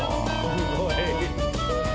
すごい！